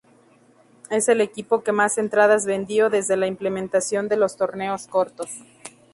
Es el equipo que más entradas vendió desde la implementación de los torneos cortos.